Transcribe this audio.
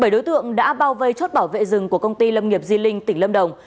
bảy đối tượng đã bao vây chốt bảo vệ rừng của công ty lâm nghiệp di linh tỉnh lâm đồng